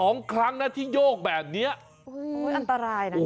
นะก็ดู